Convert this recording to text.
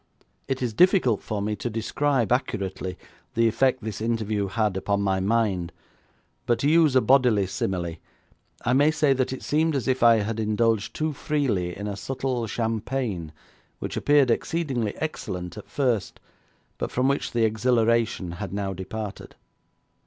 It is difficult for me to describe accurately the effect this interview had upon my mind, but to use a bodily simile, I may say that it seemed as if I had indulged too freely in a subtle champagne which appeared exceedingly excellent at first, but from which the exhilaration had now departed.